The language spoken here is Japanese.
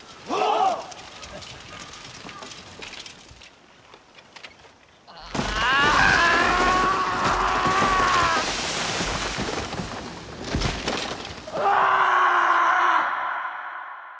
ああ！